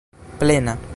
plena